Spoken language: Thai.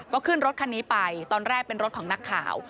ก็ขึ้นรถคันนี้ไปตอนแรกเป็นรถของนักข่าว